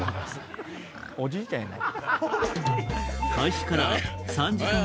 おじいちゃんやな。